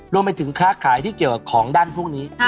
รวมไปถึงค้าขายที่เกี่ยวกับของด้านพวกนี้